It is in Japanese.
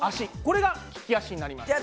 これが利き足になります。